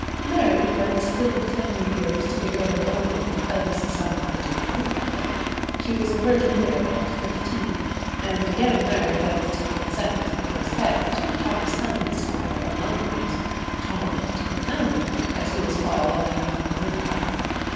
Married when still of tender years to the Earl of Ogle, eldest son of the Duke of Newcastle, she was a virgin widow at fifteen, and again married against her consent, it was said, to Thomas Thynne, Esq., of Longleat;[112:1] "Tom of Ten Thousand," as he was called on account of his income.